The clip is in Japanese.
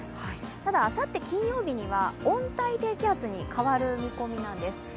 ただ、あさって金曜日には温帯低気圧に変わる見込みなんです。